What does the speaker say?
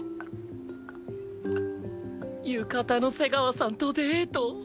浴衣の瀬川さんとデート！